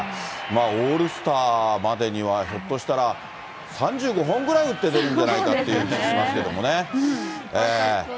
オールスターまでにはひょっとしたら、３５本くらい打って出るんじゃないかという気がしますけどもね。